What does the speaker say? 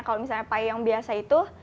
kalau misalnya payu yang biasa itu